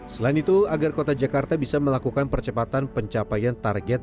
selain itu agar kota jakarta bisa melakukan percepatan pencapaian target